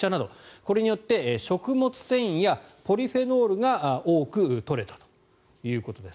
これによって食物繊維やポリフェノールが多く取れたということです。